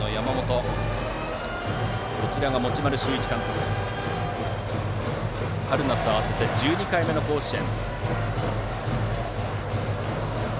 専大松戸の持丸修一監督は春夏合わせて１２回目の甲子園。